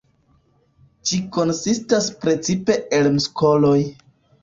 Ĝi konsistas precipe el muskoloj.